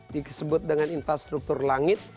disebut dengan infrastruktur langit